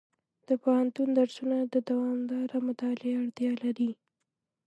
د پوهنتون درسونه د دوامداره مطالعې اړتیا لري.